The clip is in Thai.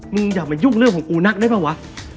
มึงอย่ามายุ่งเรื่องของกูนะ